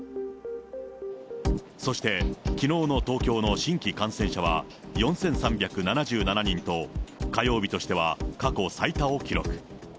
そしてきのうの東京の新規感染者は、４３７７人と、火曜日としては過去最多を記録。